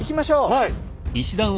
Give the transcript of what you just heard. はい！